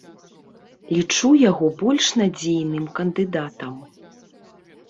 Лічу яго больш надзейным кандыдатам.